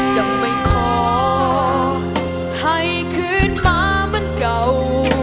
จะไม่ขอให้คืนมาเหมือนเก่า